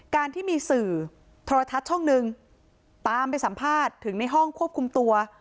การที่มีสื่อโทรทัศน์ช่องหนึ่งตามไปสัมภาษณ์ถึงในห้องควบคุมตัว